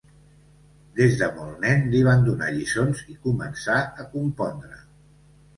Des de molt nen li van donar lliçons i començà a compondre.